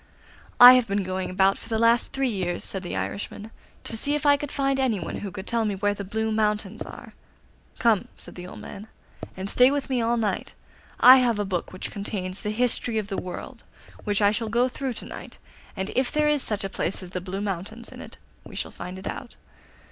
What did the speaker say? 'I have been going about for the last three years,' said the Irishman, 'to see if I could find anyone who can tell me where the Blue Mountains are.' 'Come in,' said the old man, 'and stay with me all night. I have a book which contains the history of the world, which I shall go through to night, and if there is such a place as the Blue Mountains in it we shall find it out.